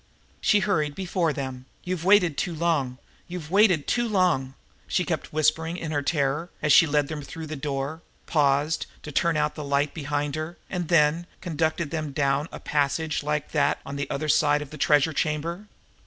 She hurried before them. "You've waited too long you've waited too long!" she kept whispering in her terror, as she led them through the door, paused to turn out the light behind her, and then conducted them down a passage like that on the other side of the treasure chamber.